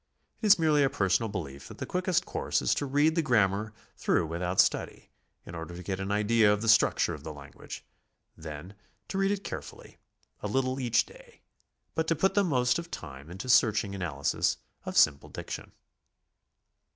It is merely a personal belief that the quickest course is to read the grammar through without study, in order to get an idea of the structure of the language; then to read it carefully, a little each day, but to put the most of the time into search ing analysis ol simple diction.